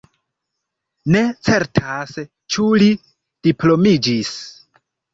Ne certas ĉu li diplomiĝis.